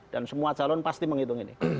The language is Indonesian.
dan semua calon pasti menghitung ini